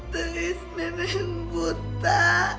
t e i s nenek buta